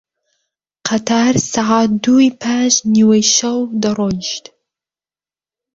قەتار سەعات دووی پاش نیوەشەو دەڕۆیشت